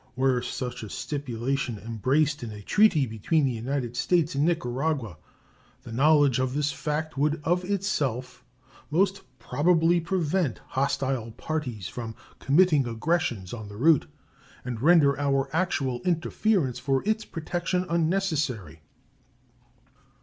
Were such a stipulation embraced in a treaty between the United States and Nicaragua, the knowledge of this fact would of itself most probably prevent hostile parties from committing aggressions on the route, and render our actual interference for its protection unnecessary.